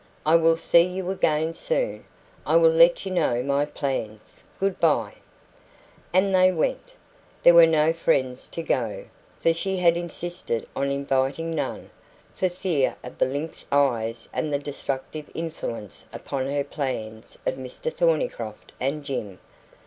"I will see you again soon. I will let you know my plans. Good bye!" And they went. There were no friends to go, for she had insisted on inviting none for fear of the lynx eyes and the destructive influence upon her plans of Mr Thornycroft and Jim.